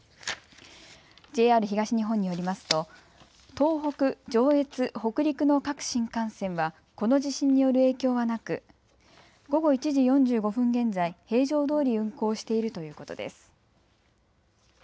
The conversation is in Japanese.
ＪＲ東日本によりますと東北、上越、北陸の各新幹線はこの地震による影響はなく午後１時４５分現在、平常どおり運行しているということです。